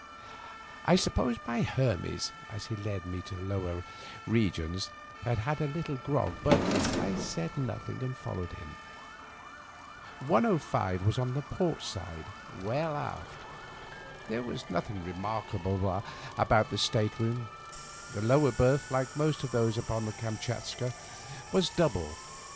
I supposed my Hermes, as he led me to the lower re gions, had had a little grog, but I said nothing, and fol lowed him. 106 was on the' port side, well aft. There was nothing remarkable about the state room. The lower berth, like most of those upon the EamtachatJca^ was double.